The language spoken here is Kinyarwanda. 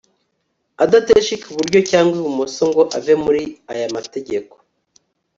adateshuka iburyo cyangwa ibumoso ngo ave muri aya mategeko